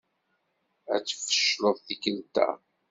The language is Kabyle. Ad tfecleḍ tikkelt-a.